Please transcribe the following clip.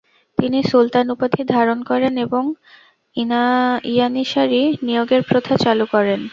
তিনি সুলতান উপাধি ধারণ করেন এবং ইয়ানিসারি নিয়োগের প্রথা চালু করেন।